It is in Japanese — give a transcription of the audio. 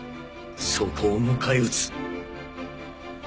そこを迎え撃つ。